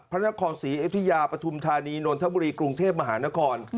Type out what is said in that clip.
พระนครศรีอยุธยาปฐุมธานีนนทบุรีกรุงเทพมหานคร